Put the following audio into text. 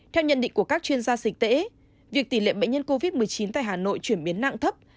theo nhận định của các chuyên gia dịch tễ việc tỷ lệ bệnh nhân covid một mươi chín tại hà nội chuyển biến nặng thấp